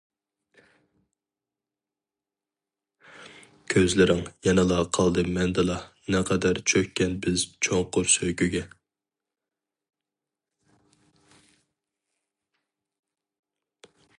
كۆزلىرىڭ يەنىلا قالدى مەندىلا نەقەدەر چۆككەن بىز چوڭقۇر سۆيگۈگە.